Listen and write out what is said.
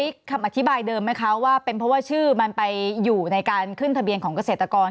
คำอธิบายเดิมไหมคะว่าเป็นเพราะว่าชื่อมันไปอยู่ในการขึ้นทะเบียนของเกษตรกร